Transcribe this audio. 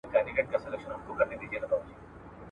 که مې د سر ټیټول زده وای دار ته څه حاجت و